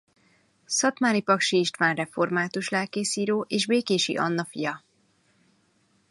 Szathmári Paksi István református lelkész-író és Békési Anna fia.